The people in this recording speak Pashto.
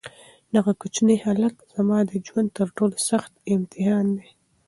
دغه کوچنی هلک زما د ژوند تر ټولو سخت امتحان دی.